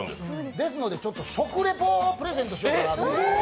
ですので食レポをプレゼントしようかなと。